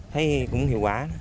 thấy cũng hiệu quả